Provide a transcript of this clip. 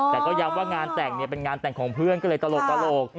แต่ก็ย้ำว่างานแต่งเป็นงานแต่งของเพื่อนก็เลยตลก